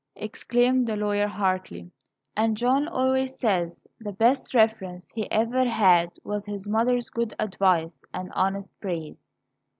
exclaimed the lawyer, heartily. And John always says the best reference he ever had was his mother's good advice and honest praise.